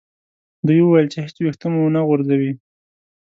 دوی وویل چې هیڅ ویښته مو و نه غورځي.